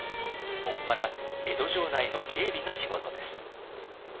専ら江戸城内の警備が仕事です。